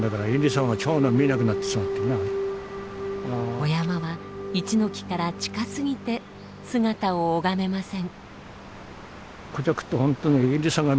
御山は一ノ木から近すぎて姿を拝めません。